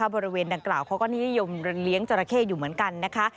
บริเวณดังกล่าวเขาก็นิยมเลี้ยงจราเข้อยู่เหมือนกันนะคะ